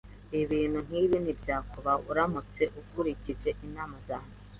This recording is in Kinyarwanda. Ibintu nkibi ntibyakubaho uramutse ukurikije inama zanjye.